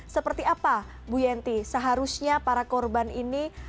seperti apa bu yenty seharusnya para korban ini